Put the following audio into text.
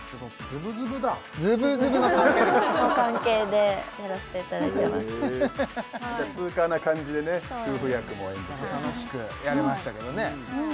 ツーカーな感じでね夫婦役も演じて楽しくやれましたけどね